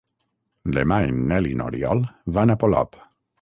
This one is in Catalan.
Demà en Nel i n'Oriol van a Polop.